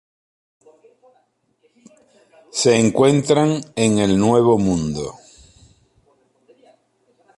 Se encuentran en el Nuevo Mundo.